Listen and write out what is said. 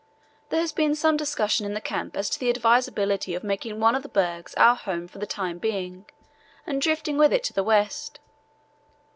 There has been some discussion in the camp as to the advisability of making one of the bergs our home for the time being and drifting with it to the west.